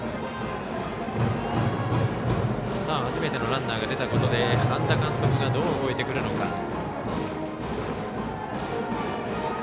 初めてのランナーが出たことで半田監督がどう動いてくるのか。